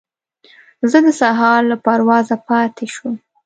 زه د سهار له پروازه پاتې شوم.